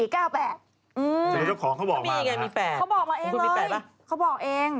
เจ้าเจ้าของเขาบอกมาเหรอคะเขาบอกแล้วเองเลย